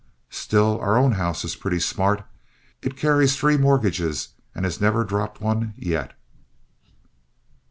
Still, our own house is pretty smart. It carries three mortgages and has never dropped one yet.